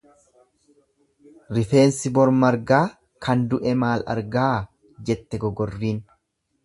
Rifeensi bor margaa kan du'e maal argaa jette gogorriin.